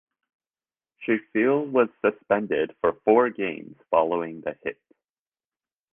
Scheifele was suspended for four games following the hit.